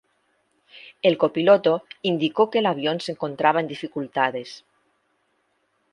El copiloto indicó que el avión se encontraba en dificultades.